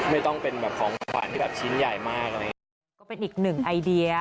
ไม่ต้องเป็นแบบของขวัญชิ้นใหญ่มากอะไรอย่างเงี้ย